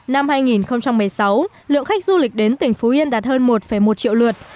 năm hai nghìn một mươi sáu lượng khách du lịch đến tỉnh phú yên đạt hơn một một triệu lượt